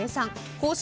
公式